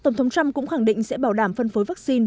tổng thống trump cũng khẳng định sẽ bảo đảm phân phối vaccine